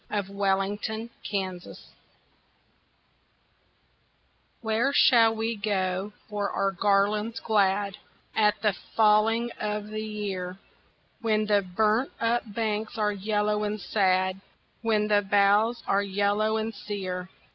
A Song of Autumn "Where shall we go for our garlands glad At the falling of the year, When the burnt up banks are yellow and sad, When the boughs are yellow and sere?